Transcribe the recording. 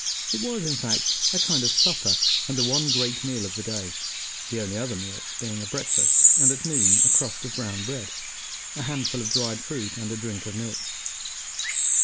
It was, in fact, a kind of supper, and the one great meal of the day: the only other meals being a breakfast, and at noon a crust of brown bread, a handful of dried fruit, and drink of milk.